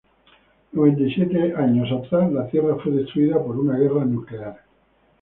Noventa y siete años atrás, la Tierra fue destruida por una guerra nuclear.